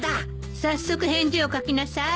早速返事を書きなさい。